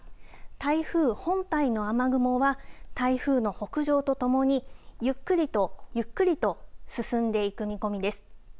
台風本体の雨雲は台風の北上とともにゆっくりとゆっくりと進んでいく見込みです。